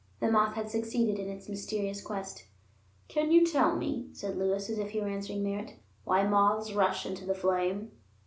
The moth had succeeded in its mysterious quest. "Can you tell me," said Lewis as if he were answering Merritt, "why moths rush into the flame?"